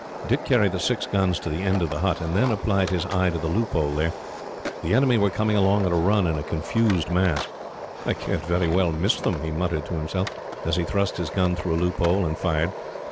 Dick carried the six guns to the end of the hut, and then applied his eye to the loophole there. The enemy were coming along at a run, in a confused mass. "I can't very well miss them," he muttered to himself, as he thrust his gun through a loophole, and fired.